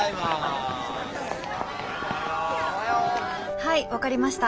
はい分かりました。